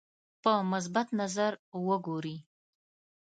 په مثبت نظر وګوري.